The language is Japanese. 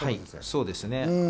そうですね。